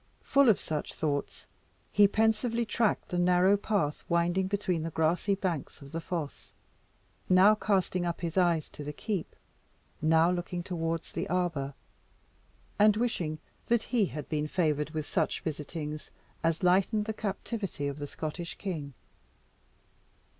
Full of such thoughts, he pensively tracked the narrow path winding between the grassy banks of the fosse now casting up his eyes to the keep now looking towards the arbour, and wishing that he had been favoured with such visitings as lightened the captivity of the Scottish king.